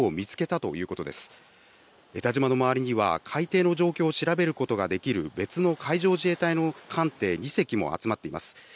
たじまの周りには海底の状況を調べることができる別の海上自衛隊の艦艇２隻も集まっています。